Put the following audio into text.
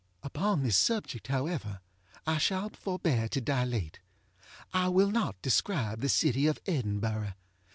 Upon this subject, however, I shall forbear to dilate. I will not describe the city of Edinburgh.